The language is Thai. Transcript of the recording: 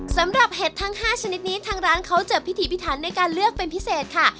สำหรับเห็ดทั้ง๕ชนิดนี้ทางร้านเขาจะพิถีพิถันในการเลือกเป็นพิเศษค่ะ